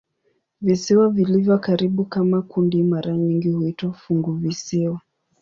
Visiwa vilivyo karibu kama kundi mara nyingi huitwa "funguvisiwa".